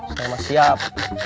saya masih siap